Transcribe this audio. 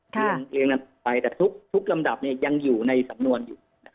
เรียงกันไปแต่ทุกลำดับยังอยู่ในสำนวนอยู่